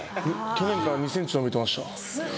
去年から２ｃｍ伸びてました。